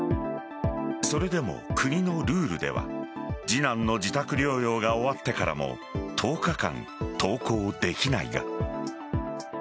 それでも国のルールでは次男の自宅療養が終わってからも１０日間、登校できないが。